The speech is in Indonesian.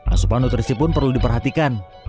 asupan nutrisi pun perlu diperhatikan